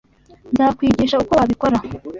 Nzakwigisha uko wabikora.